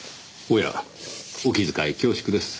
お気遣い恐縮です。